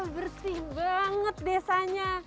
bersih banget desanya